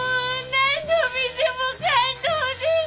何度見ても感動ですぅ！